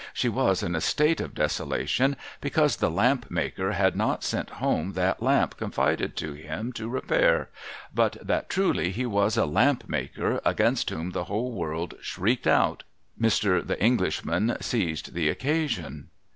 she was in a state of desolation because the lamp maker had not sent home 298 SOMEBODY'S LUGGAGE that lamp confided to liim to repair, but that truly he was a lamp maker against whom the whole world shrieked out, Mr. The Englisliman seized the occasion.